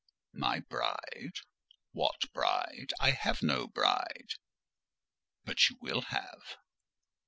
"My bride! What bride? I have no bride!" "But you will have."